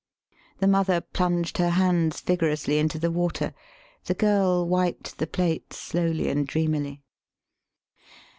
The mother plunged her hands vigorously into the water; the girl wiped the plates slowly and dreamily.